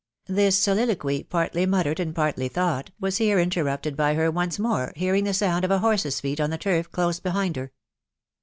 " This soliloquy, partly muttered and partly thought, was here inter rupted by her once more hearing the sound of a horse's feet on the turf close behind her.